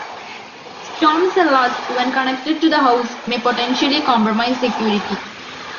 Storm cellars, when connected to the house, may potentially compromise security.